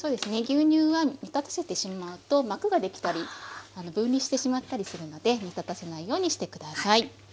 牛乳は煮立たせてしまうと膜ができたり分離してしまったりするので煮立たせないようにして下さい。